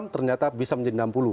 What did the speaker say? ternyata bisa menjadi enam puluh